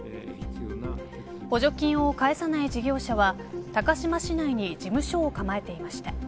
補助金を返さない事業者は高島市内に事務所を構えていました。